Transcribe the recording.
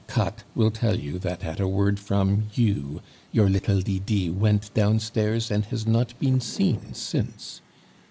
Katt will tell you that at a word from you your little Lydie went downstairs, and has not been seen since.